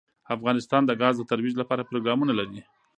افغانستان د ګاز د ترویج لپاره پروګرامونه لري.